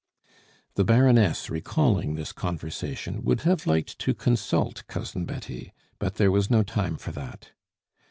The Baroness, recalling this conversation, would have liked to consult Cousin Betty; but there was no time for that.